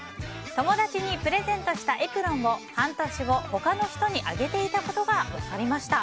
友達にプレゼントしたエプロンを半年後、他の人にあげていたことが分かりました。